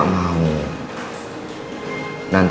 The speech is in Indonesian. kita prawda saja punya jelas rata gitu